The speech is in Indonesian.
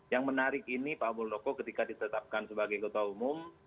yang menarik ini pak muldoko ketika ditetapkan sebagai ketua umum